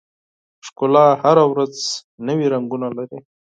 ښکلا هره ورځ نوي رنګونه لري.